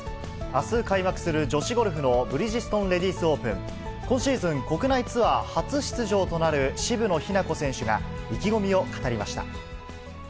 あす開幕する女子ゴルフのブリヂストンレディスオープン、今シーズン、国内ツアー初出場となる渋野日向子選手が意気込みを語りました。